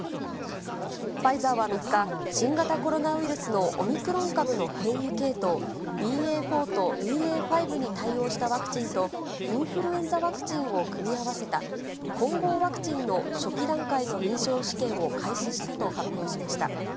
ファイザーは３日、新型コロナウイルスのオミクロン株の変異系統、ＢＡ．４とＢＡ．５に対応したワクチンと、インフルエンザワクチンを組み合わせた、混合ワクチンの初期段階の臨床試験を開始したと発表しました。